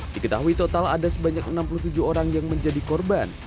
diketahui total ada sebanyak enam puluh tujuh orang yang menjadi korban